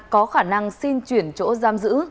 có khả năng xin chuyển chỗ giam giữ